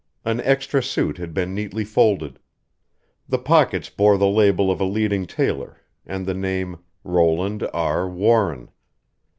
An extra suit had been neatly folded. The pockets bore the label of a leading tailor, and the name "Roland R. Warren."